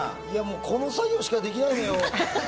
この作業しかできないのよ。